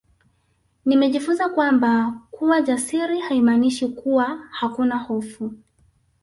Nimejifunza kwamba kuwa jasiri haimaanishi kuwa hakuna hofu